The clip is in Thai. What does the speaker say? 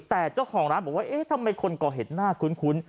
แต่เจ้าของร้านบอกว่าเอ๊ะทำไมคนก่อเหตุน่าคุ้น